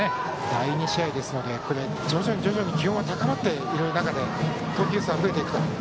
第２試合ですし徐々に気温が高まっている中で投球数が増えていくと。